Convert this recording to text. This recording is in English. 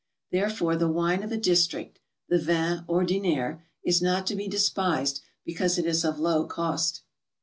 Therefore the wine of a district, the vin ordinaire, is not to be despised because it is of low cost.